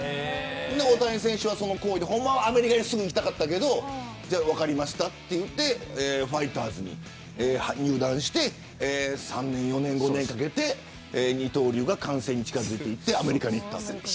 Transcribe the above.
大谷選手はアメリカにすぐに行きたかったけど分かりましたと言ってファイターズに入団して３年、４年、５年かけて二刀流が完成に近づいてアメリカに行きました。